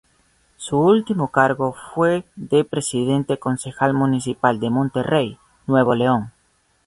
Su último cargo fue de Presidente Concejal Municipal de Monterrey, Nuevo León.